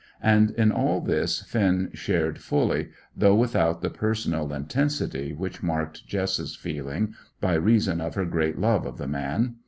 And in all this Finn shared fully, though without the personal intensity which marked Jess's feeling by reason of her great love of the man.